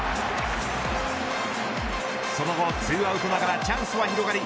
その後、２アウトながらチャンスは広がり